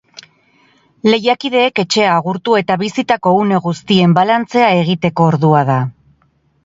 Lehiakideek etxea agurtu eta bizitako une guztien balantzea egiteko ordua da.